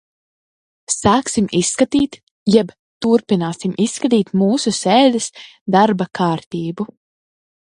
Sāksim izskatīt jeb turpināsim izskatīt mūsu sēdes darba kārtību.